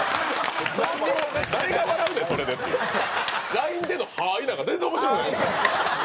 ＬＩＮＥでの「ハイ！！」なんか全然面白くない。